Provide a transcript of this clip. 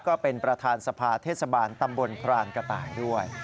ก็เป็นประธานสภาเทศบาลตำบลพรานกระต่ายด้วย